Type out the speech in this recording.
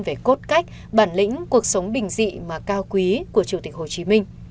về cốt cách bản lĩnh cuộc sống bình dị mà cao quý của chủ tịch hồ chí minh